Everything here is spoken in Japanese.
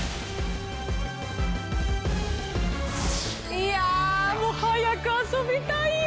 いやぁもう早く遊びたいよ！